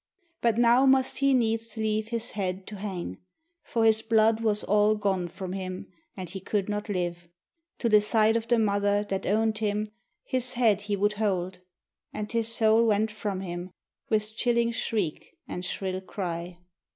But now must he needs leave his head to hang, For his blood was all gone from him, and he could not live. To the side of the Mother that owned him, his head he would hold, And his soul went from him with chilling shriek and shrill cry.